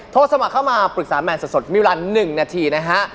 โทรสมัครเข้ามาปรึกษาแมนสดมีเวลา๑นาทีนะฮะ